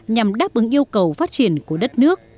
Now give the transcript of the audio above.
nhằm đáp ứng yêu cầu của dân